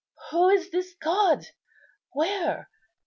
Who is this God? where?